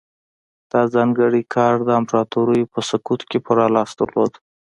دا ځانګړی ګارډ د امپراتورانو په سقوط کې پوره لاس درلود